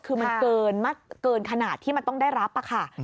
คือมันเกินขนาดที่มันต้องได้รับค่ะ